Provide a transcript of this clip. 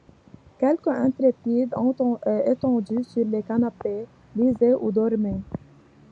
Quelques intrépides, étendus sur les canapés, lisaient ou dormaient.